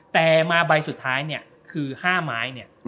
แต่มาใบสุดท้ายเนี่ยคือ๕ไม้เนี่ย